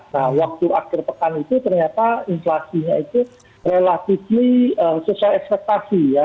nah waktu akhir pekan itu ternyata inflasinya itu relatifly sesuai ekspektasi ya